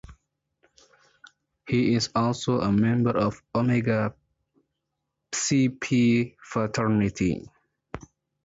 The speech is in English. He is also a member of Omega Psi Phi fraternity.